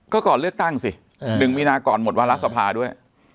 ก็ก่อนเลือกตั้งสิ๑มีนาก่อนหมดวารสภาด้วย